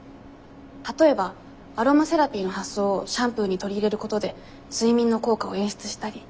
例えばアロマセラピーの発想をシャンプーに取り入れることで睡眠の効果を演出したり。